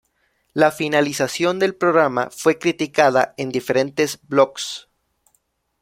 La finalización del programa fue criticada en diferentes blogs.